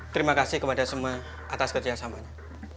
terima kasih kepada semua atas kerjasamanya